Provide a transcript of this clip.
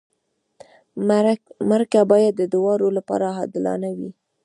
مرکه باید د دواړو لپاره عادلانه وي.